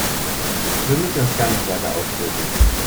Wir müssen es gar nicht weiter aufdröseln.